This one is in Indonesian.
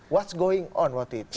what's going on waktu itu